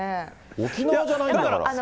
沖縄じゃないんだから。